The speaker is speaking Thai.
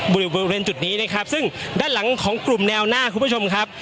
บริเวณบริเวณจุดนี้นะครับซึ่งด้านหลังของกลุ่มแนวหน้าคุณผู้ชมครับ